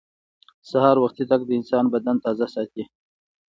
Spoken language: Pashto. سهار وختي تګ د انسان بدن تازه ساتي